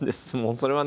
それはね